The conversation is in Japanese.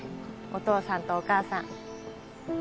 お父さんとお母さん